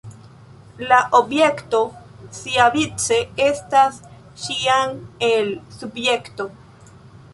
La objekto siavice estas ĉiam “el” subjekto.